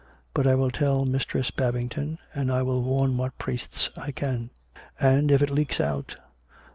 But I will tell Mistress Babington, and I will warn what priests I can." "And if it leaks out?"